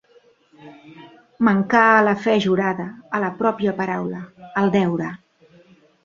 Mancar a la fe jurada, a la pròpia paraula, al deure.